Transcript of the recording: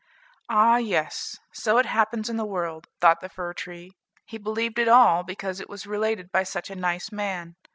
"Ah! yes, so it happens in the world," thought the fir tree; he believed it all, because it was related by such a nice man.